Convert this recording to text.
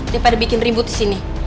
daripada bikin ribut disini